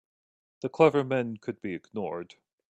The clever men could be ignored.